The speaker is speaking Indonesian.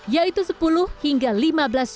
yaitu sepuluh hingga lima belas juta rupiah